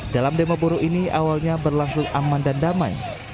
dalam demo buruh ini awalnya berlangsung aman dan damai